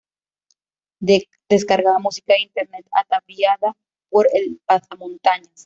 descargaba música de Internet ataviada por el pasamontañas